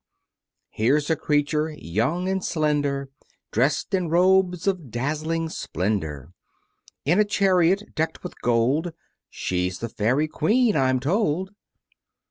Here's a creature, young and slender, Drest in robes of dazzling splendor, In a chariot decked with gold; She's the Fairy Queen I'm told.